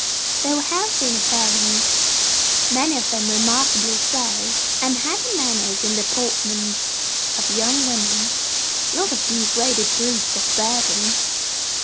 They were healthy in appearance, many of them remarkably so, and had the manners and deportment of young women: not of degraded brutes of burden.